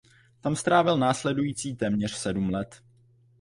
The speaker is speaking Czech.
Tam strávil následující téměř sedm let.